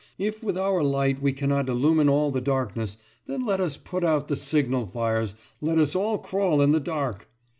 If with our light we cannot illumine all the darkness, then let us put out the signal fires, let us all crawl in the dark!